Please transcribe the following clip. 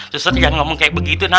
suster jangan ngomong kayak begitu